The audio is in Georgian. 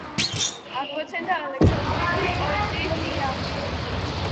აღმოცენდა ალექსანდრიული პოეზიის წიაღში.